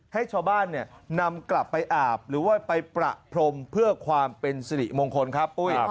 ให้ชาวบ้านนำกลับไปอาบหรือว่าไปประพรมเพื่อความเป็นสิริมงคลครับปุ้ย